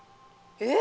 えっ？